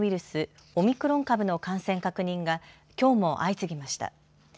スオミクロン株の感染確認がきょうも相次ぎました。